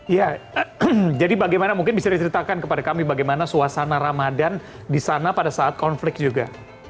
ya jadi bagaimana mungkin bisa diceritakan kepada kami bagaimana suasana ramadan di sana pada saat konflik juga